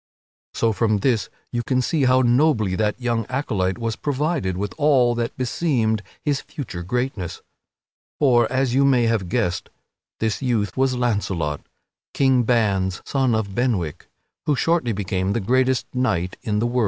So from this you can see how nobly that young acolyte was provided with all that beseemed his future greatness. For, as you may have guessed, this youth was Launcelot, King Ban's son of Benwick, who shortly became the greatest knight in the world.